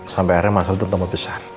sampai akhirnya masalah itu tumbuh besar